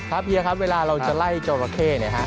ครับเกียร์ครับเวลาเราจะไล่จรักเทศ